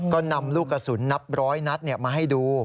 ก็นำลูกกระสุนนับร้อยนัดมาให้ดู